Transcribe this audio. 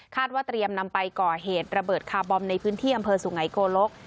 ว่าเตรียมนำไปก่อเหตุระเบิดคาร์บอมในพื้นที่อำเภอสุไงโกลก